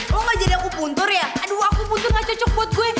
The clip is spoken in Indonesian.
lo gak jadi aku puntur ya aduh aku puntur gak cocok buat gue